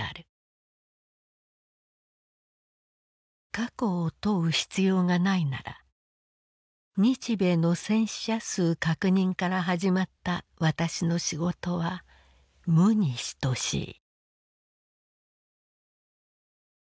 「過去を問う必要がないなら日米の戦死者数確認からはじまった私の仕事は無にひとしい」。